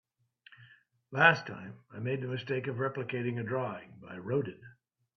Last time, I made the mistake of replicating a drawing by Rodin.